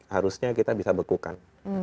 harusnya kita bisa bekukan